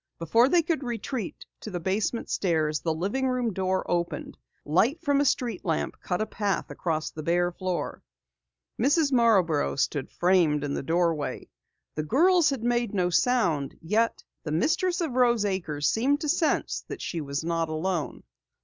Before they could retreat to the basement stairs, the living room door opened. Light from a street lamp cut a path across the bare floor. Mrs. Marborough stood framed in the doorway. The girls had made no sound, yet the mistress of Rose Acres seemed to sense that she was not alone.